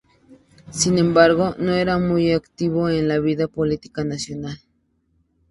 Sin embargo, no era muy activo en la vida política nacional.